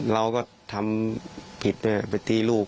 เราก็ทำผิดไปตีลูก